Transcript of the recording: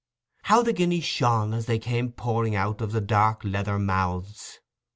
How the guineas shone as they came pouring out of the dark leather mouths!